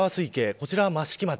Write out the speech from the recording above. こちらは益城町。